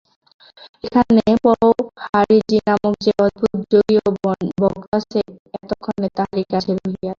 এখানে পওহারীজী নামক যে অদ্ভুত যোগী ও ভক্ত আছেন, এক্ষণে তাঁহারই কাছে রহিয়াছি।